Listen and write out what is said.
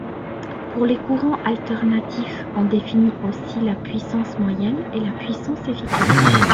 Pour les courants alternatifs on définit aussi la puissance moyenne et la puissance efficace.